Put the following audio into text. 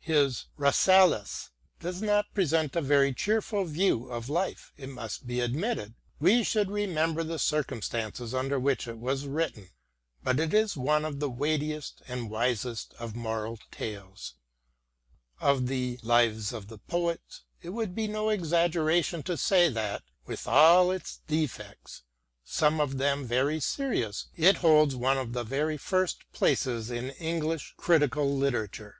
His " Rasselas " does not present a very cheerful view of * Boswell's " Life of Johnson." t Piozzi's "Anecdotes of Johnson." 48 SAMUEL JOHNSON life, it must be admitted — ^we should remember the circumstances under which it was written — but it is one of the weightiest and wisest of moral tales. Of the " Lives of the Poets " it would be no exaggeration to say that, with all its defects, some of them very serious, it holds one of the very first places in English critical literature.